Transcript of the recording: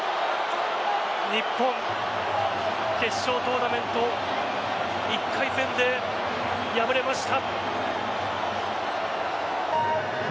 日本、決勝トーナメント１回戦で敗れました。